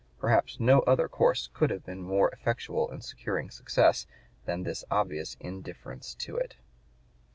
Perhaps no other course could have been more effectual in securing success than this obvious indifference to it.